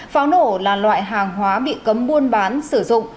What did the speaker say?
pháo nổ là loại hàng hóa bị cấm buôn bán sử dụng